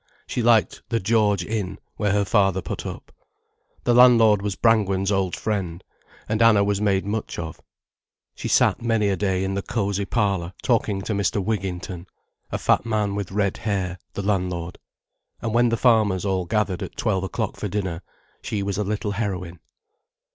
She liked the "George Inn", where her father put up. The landlord was Brangwen's old friend, and Anna was made much of. She sat many a day in the cosy parlour talking to Mr. Wigginton, a fat man with red hair, the landlord. And when the farmers all gathered at twelve o'clock for dinner, she was a little heroine.